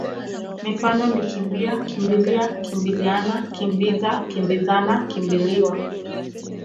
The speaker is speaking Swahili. Mifano ni kimbi-a, kimbi-lia, kimbili-ana, kimbi-za, kimbi-zana, kimbi-liwa.